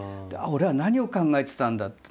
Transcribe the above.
俺は何を考えてたんだって。